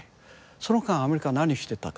その間アメリカは何してたか。